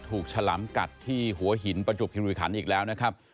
ถูกฉลามกัดที่หัวหินประจบภิรุษภัณฑ์อีกแล้วนะครับ